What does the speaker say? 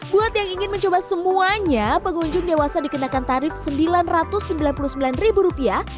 buat yang ingin mencoba semuanya pengunjung dewasa dikenakan tarif sembilan ratus sembilan puluh sembilan ribu rupiah